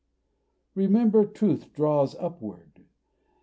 Remember, truth draws upward.